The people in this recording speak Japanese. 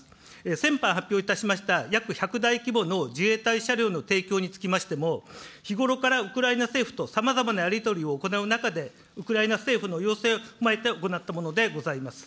先般発表いたしました、約１００台規模の自衛隊車両の提供につきましても、日頃からウクライナ政府とさまざまなやり取りを行う中で、ウクライナ政府の要請を踏まえて行ったものでございます。